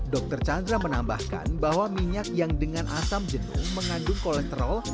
dr chandra menambahkan bahwa minyak yang dengan asam jenuh mengandung kolesterol